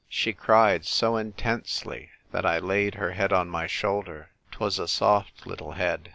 She cried so intensely that I laid her head on my shoulder. 'Twas a soft little head.